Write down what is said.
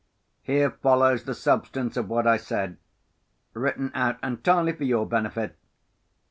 Here follows the substance of what I said, written out entirely for your benefit.